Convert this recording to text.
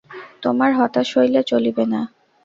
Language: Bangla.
তোমার হতাশ হইলে চলিবে না।